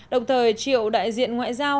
đồng thời triệu đại diện ngoại giao